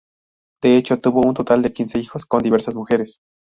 De hecho, tuvo un total de quince hijos con diversas mujeres.